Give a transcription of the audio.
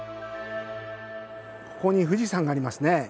ここに富士山がありますね。